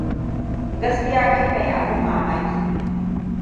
Gaskiya kai mai abin mamaki ne.